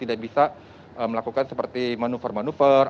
tidak bisa melakukan seperti manuver manuver